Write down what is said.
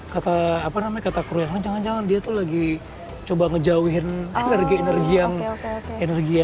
kata apa namanya kata kru yang jangan jangan dia tuh lagi coba ngejauhin energi energi yang energi ya